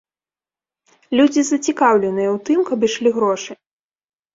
Людзі зацікаўленыя ў тым, каб ішлі грошы.